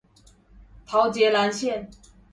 桃捷藍線